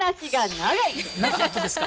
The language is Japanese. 長かったですか？